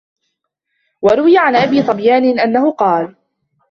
وَرُوِيَ عَنْ أَبِي ظَبْيَانَ أَنَّهُ قَالَ